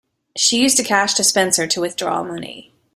She used a cash dispenser to withdraw money